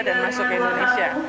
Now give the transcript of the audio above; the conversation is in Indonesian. dan masuk ke indonesia